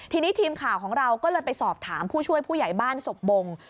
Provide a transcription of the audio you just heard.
ทีนี้ทีมข่าวของเราก็เลยไปสอบถามผู้ช่วยผู้ใหญ่บ้านศพบง